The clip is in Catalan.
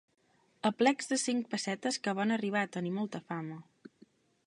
Aplecs de cincs pessetes que van arribar a tenir molta fama.